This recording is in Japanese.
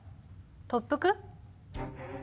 特服？